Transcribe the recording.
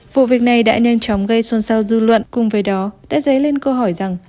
vụ việc này đã nhanh chóng gây xuân sao dư luận cùng với đó đã dấy lên câu hỏi rằng